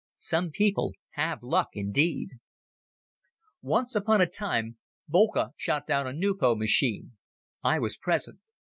Some people have luck indeed. Once upon a time, Boelcke shot down a Nieuport machine. I was present.